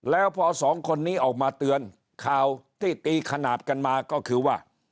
แล้วพอสองคนนี้ออกมาเตือนข่าวที่ตีขนาดกันมาก็คือว่า